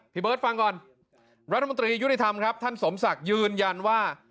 เบิร์ตฟังก่อนรัฐมนตรียุติธรรมครับท่านสมศักดิ์ยืนยันว่า